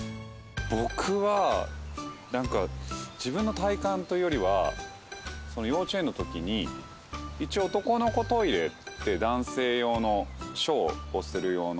僕は何か自分の体感というよりは幼稚園のときに一応男の子トイレって男性用の。